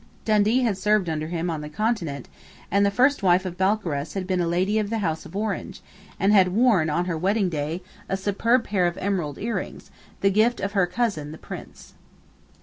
Dundee had served under him on the Continent; and the first wife of Balcarras had been a lady of the House of Orange, and had worn, on her wedding day, a superb pair of emerald earrings, the gift of her cousin the Prince.